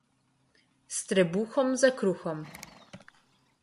S trebuhom za kruhom.